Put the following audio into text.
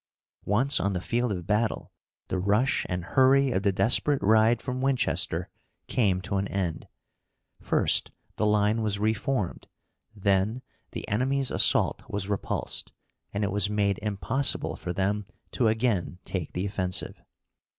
Once on the field of battle, the rush and hurry of the desperate ride from Winchester came to an end. First the line was reformed, then the enemy's assault was repulsed, and it was made impossible for them to again take the offensive.